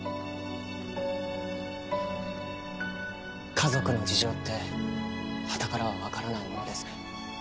家族の事情ってはたからはわからないものですね。